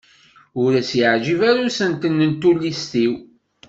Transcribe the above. Ur as-yeɛǧib ara usentel n tullist-iw.